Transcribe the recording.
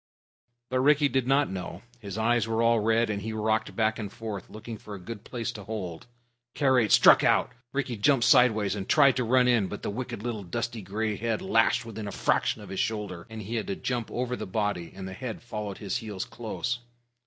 But Rikki did not know. His eyes were all red, and he rocked back and forth, looking for a good place to hold. Karait struck out. Rikki jumped sideways and tried to run in, but the wicked little dusty gray head lashed within a fraction of his shoulder, and he had to jump over the body, and the head followed his heels close.